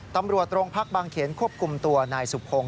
ตำรวจโรงพักบางเขนควบคุมตัวนายสุพงศ